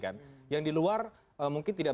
kan yang di luar mungkin tidak